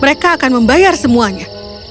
mereka akan membayar semuanya